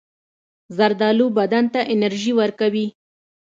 زردالو بدن ته انرژي ورکوي.